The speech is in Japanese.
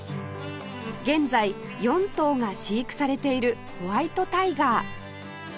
現在４頭が飼育されているホワイトタイガー